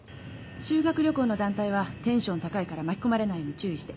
修学旅行の団体はテンション高いから巻き込まれないように注意して。